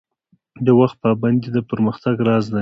د وخت پابندي د پرمختګ راز دی